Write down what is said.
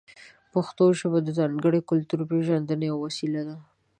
پښتو ژبه د ځانګړې کلتوري پېژندنې یوه وسیله ده.